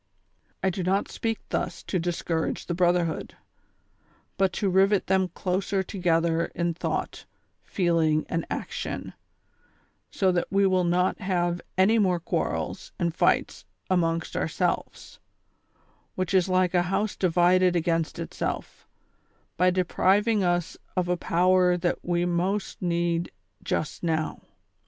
I do not speak thus to discourage the brotherhood, but to rivet them closer together in thought, feeling and action, so that we will not have any more quarrels and fights amongst ourselves, which is like a house divided against itself, by depriving us of a power that w^e most need just now.